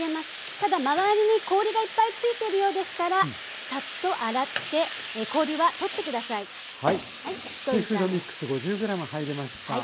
ただ周りに氷がいっぱい付いているようでしたらさっと洗って氷は取って下さい。